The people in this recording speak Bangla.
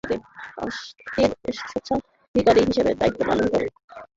সংস্থাটির স্বত্বাধিকারী হিসেবে দায়িত্ব পালন করছেন আনোয়ার হোসেন।